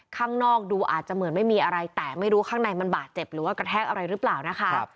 ข้างนอกดูอาจจะเหมือนไม่มีอะไรแต่ไม่รู้ข้างในมันบาดเจ็บหรือว่ากระแทกอะไรหรือเปล่านะคะ